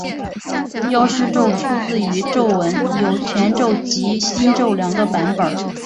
药师咒出自于咒文有全咒及心咒两个版本。